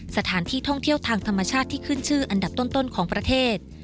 สถานที่ท่องเที่ยวทางธรรมชาติที่ขึ้นชื่ออันดับต้นของประเทศ